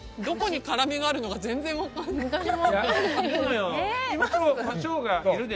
どこに辛みがあるのか全然分からない。